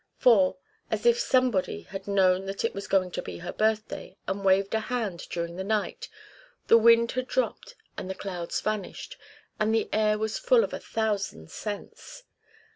For, as if Somebody had known that it was going to be her birthday and waved a wand during the night, the wind had dropped and the clouds vanished, and the air was full of a thousand scents.